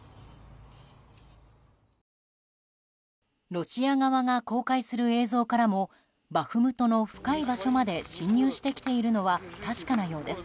ロシア側が公開する映像からもバフムトの深い場所まで進入してきているのは確かなようです。